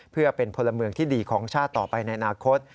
เพื่อเป็นพลเมืองที่ดีของชาติต่อไปในอนาคต